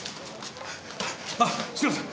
あっすいません。